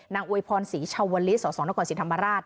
นางอวยพรศรีชาวลิสสนศิรธรรมราช